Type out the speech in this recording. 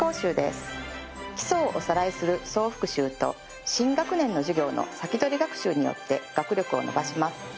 基礎をおさらいする総復習と新学年の授業の先取り学習によって学力を伸ばします。